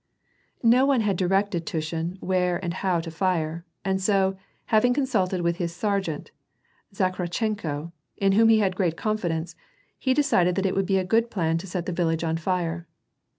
WAR AND PEACE. 216 No one had directed Tushin where and how to fire, and so, having consulted with his sergeant Zakharchenko, in whom he had great confidence, he decided that it^ would be a good plan to set the village on fire.